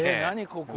ここ。